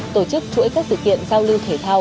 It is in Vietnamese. tổ chức chuỗi các sự kiện giao lưu thể thao